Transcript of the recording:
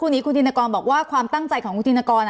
เมื่อสักครู่ทีคุณธีนกรบอกว่าความตั้งใจของคุณธีนกร